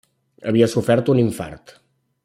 Havia sofert un infart.